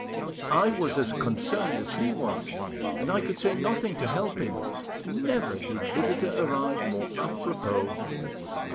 I was as concerned as he was, and I could say nothing to help him; never did visitor arrive more apropos.